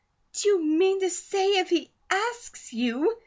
"Do you mean to say if he asks you